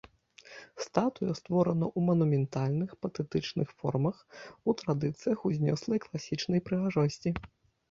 Статуя створана ў манументальных, патэтычных формах, у традыцыях узнёслай класічнай прыгажосці.